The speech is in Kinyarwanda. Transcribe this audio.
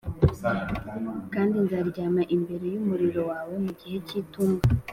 kandi nzaryama imbere y'umuriro wawe mu gihe cy'itumba